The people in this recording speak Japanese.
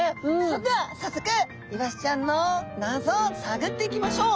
それではさっそくイワシちゃんの謎をさぐっていきましょう！